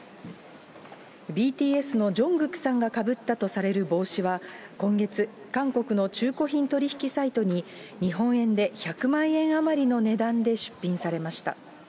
ＢＴＳのジョングクさんがかぶったとされる帽子は、今月、韓国の中古品取り引きサイトに、日本円で１００万円余りの値段で出品されました。